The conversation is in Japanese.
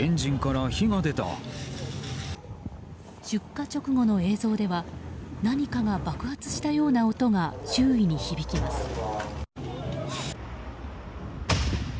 出火直後の映像では何かが爆発したような音が周囲に響きます。